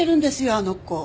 あの子。